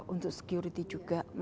untuk security juga